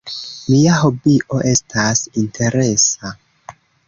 Mia hobio estas interesa.